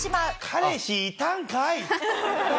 彼氏いたんかい！